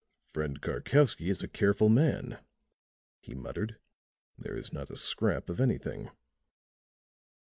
"Friend Karkowsky is a careful man," he muttered. "There is not a scrap of anything."